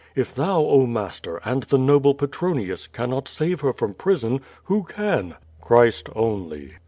If thou, oh, master, and the noble Petronius, cannot save her from prison, who can? "Christ only."